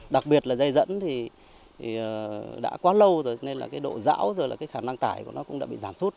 đặc biệt là dây dẫn đã quá lâu rồi nên độ dão và khả năng tải của nó cũng đã bị giảm sút